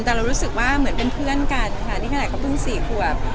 แต่เรารู้สึกว่าเหมือนเป็นเพื่อนกันค่ะนี่ขนาดเขาเพิ่ง๔ขวบ